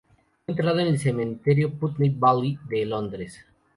Fue enterrado en el Cementerio Putney Vale de Londres.